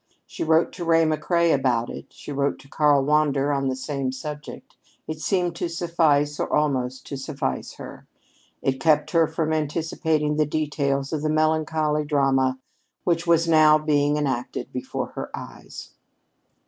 She wrote to Ray McCrea about it; she wrote to Karl Wander on the same subject. It seemed to suffice or almost to suffice her. It kept her from anticipating the details of the melancholy drama which was now being enacted before her eyes.